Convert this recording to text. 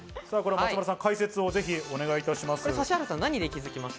松丸さん、解説をお願いします。